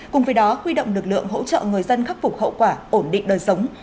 cùng với đó huy động lực lượng hỗ trợ người dân khắc phục hậu quả ổn định đời sống